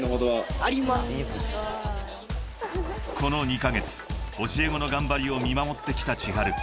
［この２カ月教え子の頑張りを見守ってきたｃｈｉｈａｒｕ］